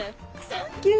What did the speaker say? サンキュー！